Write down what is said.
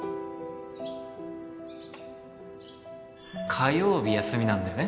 火曜日休みなんだよね？